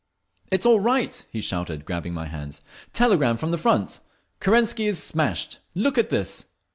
"It's all right!" he shouted, grabbing my hands. "Telegram from the front. Kerensky is smashed! Look at this!"